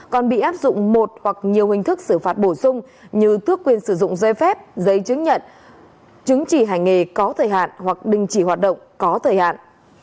còn bị áp dụng một hoặc nhiều hình thức xử phạt bổ sung như tước quyền sử dụng dây phép giấy chứng nhận chứng chỉ hành nghề có thời hạn hoặc đình chỉ hoạt động có thời hạn